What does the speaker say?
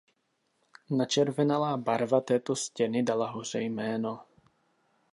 Načervenalá barva této stěny dala hoře jméno.